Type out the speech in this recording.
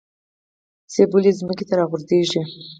مڼه ولې ځمکې ته راغورځیږي؟